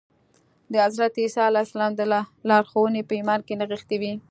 د حضرت عیسی علیه السلام لارښوونې په ایمان کې نغښتې وې